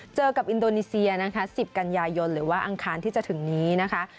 เจอกับอินโดนีเซียนะคะ๑๐กันยายนหรือว่าอังคารที่จะถึงนี้นะคะ